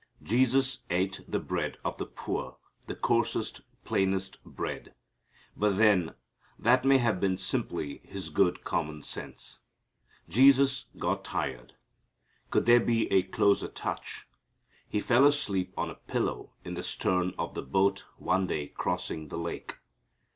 Jesus ate the bread of the poor, the coarsest, plainest bread. But then, that may have been simply His good common sense. Jesus got tired. Could there be a closer touch! He fell asleep on a pillow in the stern of the boat one day crossing the lake.